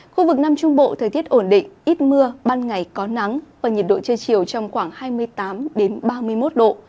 khu vực nam trung bộ thời tiết ổn định ít mưa ban ngày có nắng và nhiệt độ trưa chiều trong khoảng hai mươi tám ba mươi một độ